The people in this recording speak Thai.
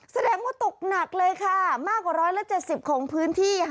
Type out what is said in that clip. แสดงว่าตกหนักเลยค่ะมากกว่า๑๗๐ของพื้นที่